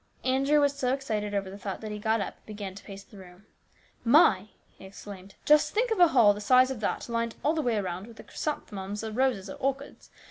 Andrew was so excited over the thought that he got up and began to pace the room. "My!" he exclaimed; "just think of a hall the size of that lined all the way around with chrysanthemums or roses or orchids